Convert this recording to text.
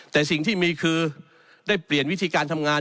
แต่สิ่งที่มีคือได้เปลี่ยนวิธีการทำงาน